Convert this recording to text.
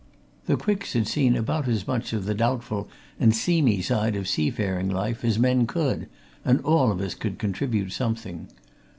The Quicks had seen about as much of the doubtful and seamy side of seafaring life as men could, and all of us could contribute something.